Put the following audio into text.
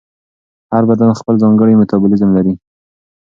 هر بدن خپل ځانګړی میتابولیزم لري.